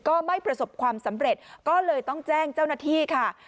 ก็ไม่ประสบความสำเร็จก็เลยต้องแจ้งเจ้าหน้าที่ค่ะ